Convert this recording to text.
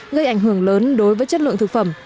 gây ảnh hưởng lớn đối với chất lượng thực phẩm